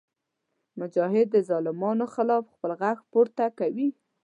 مجاهد د ظالمانو خلاف خپل غږ پورته کوي.